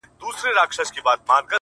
د دریاب پر غاړه لو کښټۍ ولاړه-